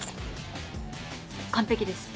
完璧です。